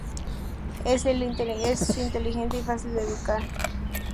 Él es inteligente y fácil de educar.